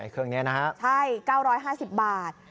เครื่องนี้นะฮะใช่๙๕๐บาท